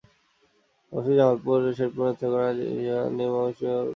ময়মনসিংহ, জামালপুর, শেরপুর ও নেত্রকোণা জেলা নিয়ে ময়মনসিংহ বিভাগ গঠিত।